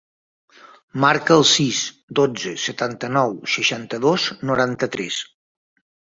Marca el sis, dotze, setanta-nou, seixanta-dos, noranta-tres.